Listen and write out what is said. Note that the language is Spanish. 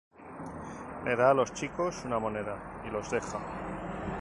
Les da a los chicos una moneda y los deja.